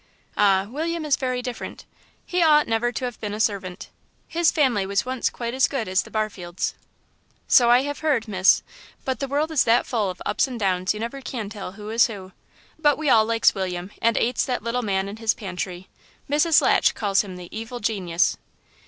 "Ah, William is very different. He ought never to have been a servant. His family was once quite as good as the Barfields." "So I have heard, Miss. But the world is that full of ups and downs you never can tell who is who. But we all likes William and 'ates that little man and his pantry. Mrs. Latch calls him the 'evil genius.'"